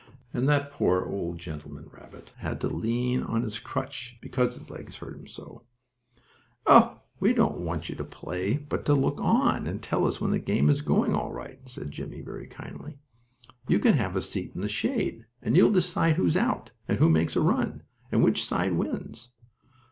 and that poor, old gentleman rabbit had to lean on his crutch, because his legs hurt him so. "Oh, we only want you to look on, and tell us when the game is going all right," said Jimmie very kindly. "You can have a seat in the shade, and you will decide who's out, and who makes a run, and which side wins."